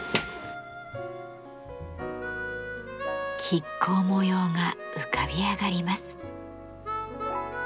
亀甲模様が浮かび上がります。